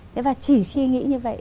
thế và chỉ khi nghĩ như vậy